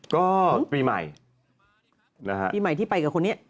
ก็ปีใหม่นะฮะปีใหม่ที่ไปกับคนนี้